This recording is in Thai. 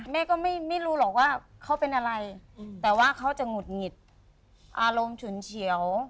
แม่ก็ไม่รู้หรอกว่าเขาเป็นอะไรแต่ว่าเขาจะหงุดหงิดอารมณ์ฉุนเฉียว